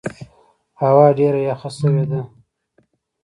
هوا ډېره یخه سوې ده.